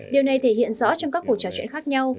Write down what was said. điều này thể hiện rõ trong các cuộc trò chuyện khác nhau